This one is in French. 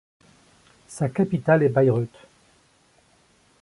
Sa capitale est Bayreuth.